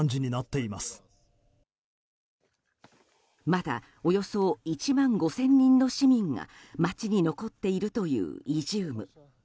まだおよそ１万５０００人の市民が街に残っているというイジューム。